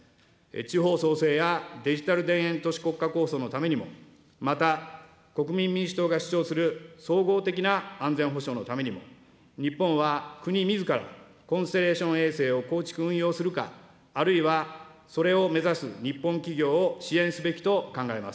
地方創生やデジタル田園都市国家構想のためにも、また、国民民主党が主張する総合的な安全保障のためにも、日本は国みずからコンステレーション衛星を構築運用するか、あるいはそれを目指す日本企業を支援すべきと考えます。